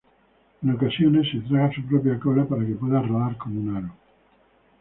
En ocasiones se traga su propia cola para que pueda rodar como un aro.